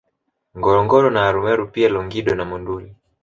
Ngorongoro na Arumeru pia Longido na Monduli